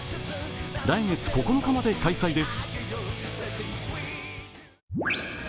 来月９日まで開催です。